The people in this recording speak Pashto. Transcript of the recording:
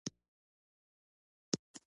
مرستو ته اړتیا لري